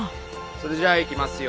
それじゃいきますよ。